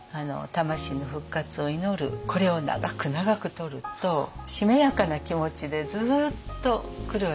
これを長く長くとるとしめやかな気持ちでずっとくるわけです。